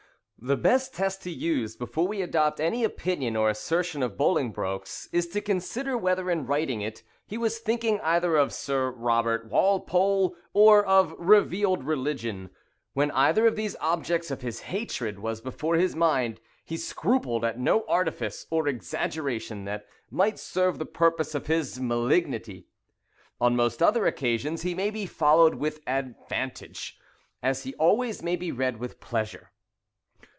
The best test to use before we adopt any opinion or assertion of Bolingbroke's, is to consider whether in writing it he was thinking either of Sir Robert Walpole or of Revealed Religion. When either of these objects of his hatred was before his mind, he scrupled at no artifice or exaggeration that; might serve the purpose of his malignity. On most other occasions he may be followed with advantage, as he always may be read with pleasure.